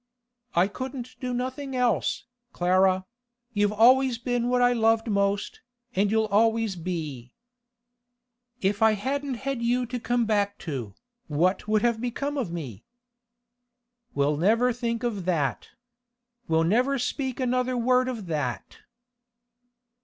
'I couldn't do nothing else, Clara; you've always been what I loved most, and you always will be.' 'If I hadn't had you to come back to, what would have become of me?' 'We'll never think of that. We'll never speak another word of that.